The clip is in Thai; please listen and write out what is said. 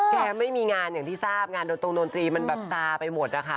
ไม่มีงานอย่างที่ทราบงานโดนตรงดนตรีมันแบบซาไปหมดนะคะ